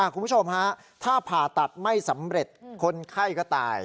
คุณผู้ชมฮะถ้าผ่าตัดไม่สำเร็จคนไข้ก็ตาย